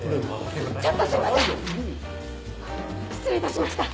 失礼いたしました。